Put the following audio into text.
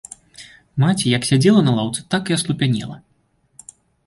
Маці, як сядзела на лаўцы, так і аслупянела.